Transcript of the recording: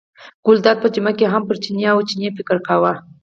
ګلداد په جمعه کې هم پر چیني او چڼي فکر کاوه.